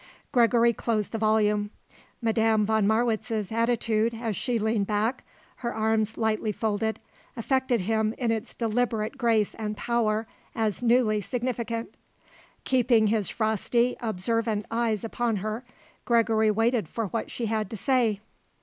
Gregory closed the volume. Madame von Marwitz's attitude as she leaned back, her arms lightly folded, affected him in its deliberate grace and power as newly significant. Keeping his frosty, observant eyes upon her, Gregory waited for what she had to say.